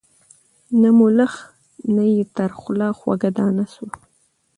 نه ملخ نه یې تر خوله خوږه دانه سوه